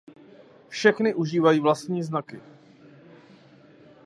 Všechny užívají vlastní znaky.